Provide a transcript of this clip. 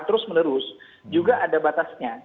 terus menerus juga ada batasnya